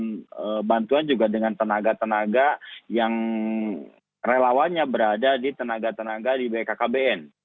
dan bantuan juga dengan tenaga tenaga yang relawannya berada di tenaga tenaga di bkkbn